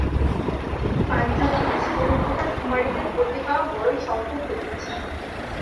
পাশ্চাত্যদেশে ঐ প্রকার কুমারীদের পতি পাওয়া বড়ই সঙ্কট হইতেছে।